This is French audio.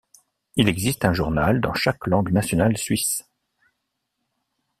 Il existe un journal dans chaque langue nationale suisse.